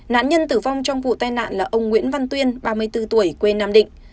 nạn nhân tử vong trong vụ tai nạn là ông nguyễn văn tuyên ba mươi bốn tuổi quê nam định